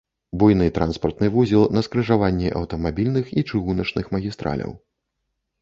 Буйны транспартны вузел на скрыжаванні аўтамабільных і чыгуначных магістраляў.